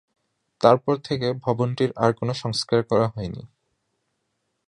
তারপর থেকে ভবনটির আর কোন সংস্কার করা হয়নি।